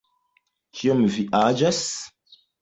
Kiom vi aĝas?